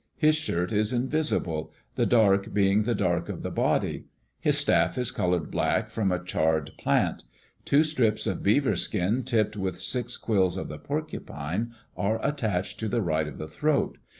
His shirt is invisible, the dark being the dark of the body. His staff is colored black from a charred plant. Two strips of beaver skin tipped with six quills of the porcupine are attached to the right of the throat.